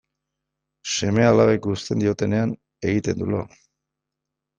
Seme-alabek uzten diotenean egiten du lo.